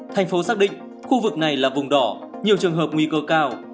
thành phố xác định khu vực này là vùng đỏ nhiều trường hợp nguy cơ cao